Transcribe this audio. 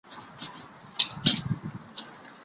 民国十八年于南京卫戍司令任职。